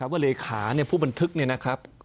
ว่าเลขาผู้บันทึกเนี่ยนะครับ